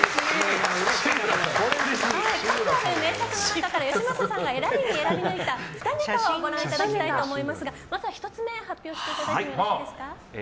数ある名作の中からよしまささんが選びに選び抜いた２ネタをご覧いただきたいと思いますがまずは１つ目発表していただいてもいいですか。